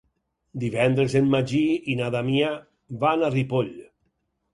Divendres en Magí i na Damià van a Ripoll.